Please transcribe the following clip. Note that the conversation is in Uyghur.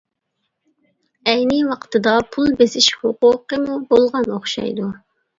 ئەينى ۋاقتىدا پۇل بېسىش ھوقۇقىمۇ بولغان ئوخشايدۇ.